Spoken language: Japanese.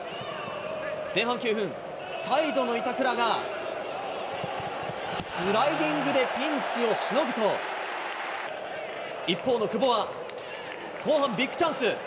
前半９分、サイドの板倉が、スライディングでピンチをしのぐと、一方の久保は、後半ビッグチャンス。